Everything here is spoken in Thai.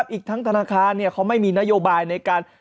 อีกทั้งธนาคารเขาไม่มีนโยบายในการ